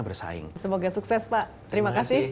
bersaing semoga sukses pak terima kasih